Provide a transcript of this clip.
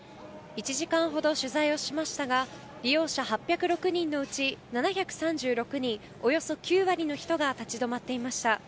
１時間ほど取材をしましたが利用者８０６人のうち７３６人、およそ９割の人が立ち止まっていました。